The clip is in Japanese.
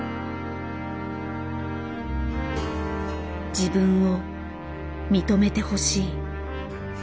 自分を認めてほしい。